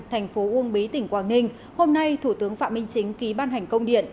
thành phố uông bí tỉnh quảng ninh hôm nay thủ tướng phạm minh chính ký ban hành công điện